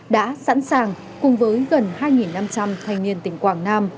đã sẵn sàng cùng với gần hai năm trăm linh thanh niên tỉnh quảng nam